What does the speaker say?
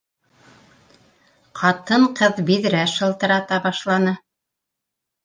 Китын ҡыҙ биҙрә шылтырата башланы